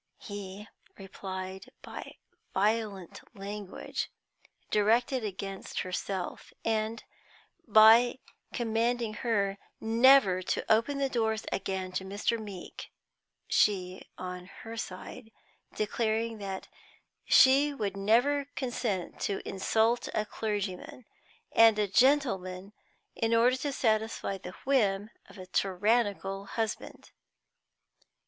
He replied by violent language directed against herself, and by commanding her never to open the doors again to Mr. Meeke; she, on her side, declaring that she would never consent to insult a clergyman and a gentleman in order to satisfy the whim of a tyrannical husband.